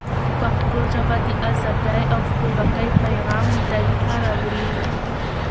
پښتو ژبه د ازادۍ او خپلواکۍ پیغام له تاریخه را وړي.